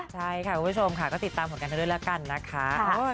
ใช่ค่ะคุณผู้ชมค่ะก็ติดตามผลกันด้วยแล้วกันนะคะ